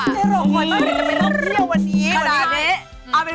ต้องกินกิ้วอย่างนี้เลย